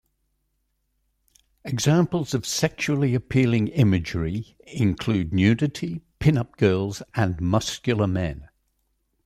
Examples of sexually appealing imagery include nudity, pin-up girls, and muscular men.